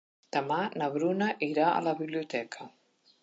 Demà na Bruna irà a la biblioteca.